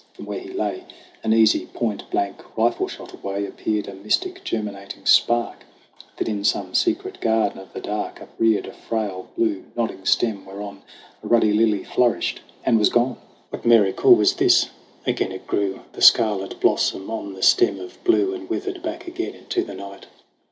From where he lay An easy point blank rifle shot away, Appeared a mystic germinating spark That in some secret garden of the dark Upreared a frail, blue, nodding stem, whereon A ruddy lily flourished and was gone ! THE CRAWL 83 What miracle was this ? Again it grew, The scarlet blossom on the stem of blue, And withered back again into the night.